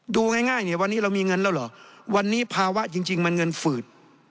ดูง่ายเนี่ยวันนี้เรามีเงินแล้วเหรอวันนี้ภาวะจริงมันเงินฝืด